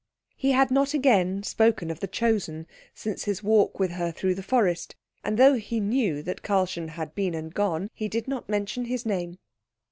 He had not again spoken of the Chosen since his walk with her through the forest; and though he knew that Karlchen had been and gone he did not mention his name.